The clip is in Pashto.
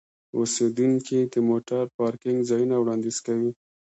اوسیدونکي د موټر پارکینګ ځایونه وړاندیز کوي.